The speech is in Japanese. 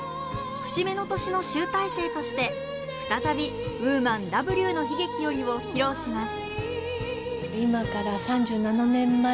節目の年の集大成として再び「Ｗｏｍａｎ“Ｗの悲劇”より」披露します